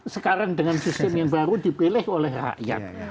sekarang dengan sistem yang baru dipilih oleh rakyat